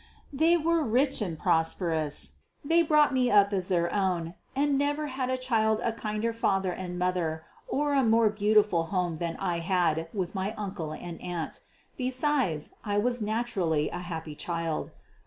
They were rich and prosperous. They brought me up as their own, and never had a child a kinder father and mother or a more beautiful home than I had with my uncle and aunt. Besides, I was naturally a happy child.